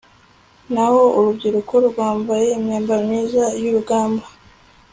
naho urubyiruko rwambaye imyambaro myiza y'urugamba